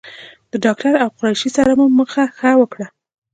د ډاکټر او قریشي سره مو مخه ښه وکړه.